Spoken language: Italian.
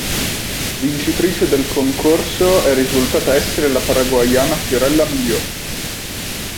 Vincitrice del concorso è risultata essere la paraguaiana Fiorella Migliore.